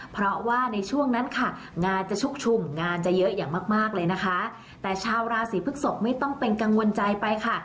เพราะว่าในช่วงนั้นค่ะงานจะชุกชุมงานจะเยอะอย่างมากมากเลยนะคะแต่ชาวราศีพฤกษกไม่ต้องเป็นกังวลใจไปค่ะ